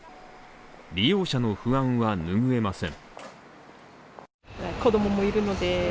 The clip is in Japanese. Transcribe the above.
利用者の不安は拭えません。